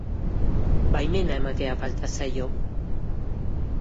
Baimena ematea falta zaio.